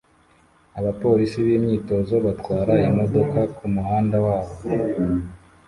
Abapolisi b'imyitozo batwara imodoka kumuhanda waho